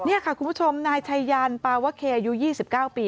นี่ค่ะคุณผู้ชมนายชัยยันปาวะเคอายุ๒๙ปี